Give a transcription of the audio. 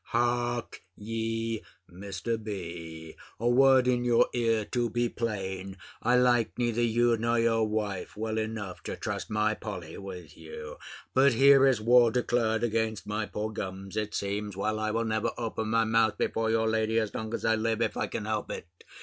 _ Hark ye, Mr. B. A word in your ear: to be plain: I like neither you nor your wife well enough to trust my Polly with you. But here's war declared against my poor gums, it seems. Well, I will never open my mouth before your lady as long as I live, if I can help it.